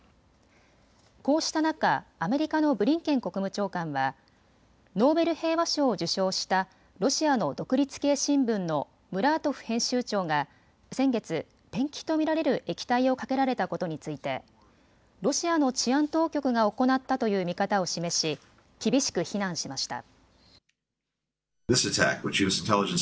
こうした中、アメリカのブリンケン国務長官はノーベル平和賞を受賞したロシアの独立系新聞のムラートフ編集長が先月、ペンキと見られる液体をかけられたことについてロシアの治安当局が行ったという見方を示し厳しく非難しました。